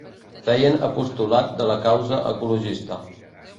Feien apostolat de la causa ecologista.